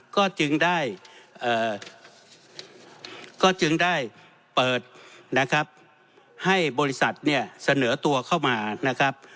ก็จึงได้เปิดนะครับให้บริษัทเสนอตัวเข้ามานะครับ